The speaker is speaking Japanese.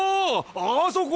あそこ！